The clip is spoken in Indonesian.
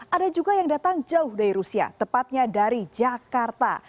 ada juga yang datang jauh dari rusia tepatnya dari jakarta